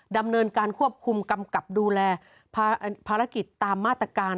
ดำเนินการควบคุมกำกับดูแลภารกิจตามมาตรการ